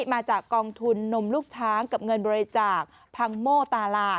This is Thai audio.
มาจากกองทุนนมลูกช้างกับเงินบริจาคพังโมตาลา